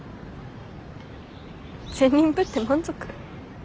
善人ぶって満足？